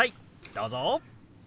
どうぞ。